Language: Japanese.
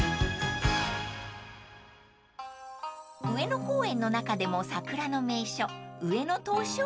［上野公園の中でも桜の名所］